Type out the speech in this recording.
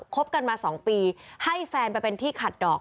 บกันมา๒ปีให้แฟนไปเป็นที่ขัดดอก